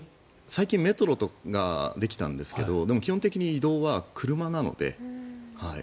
最近メトロができたんですけどでも、基本的に移動は車なので。